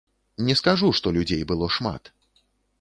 Не скажу, што людзей было шмат.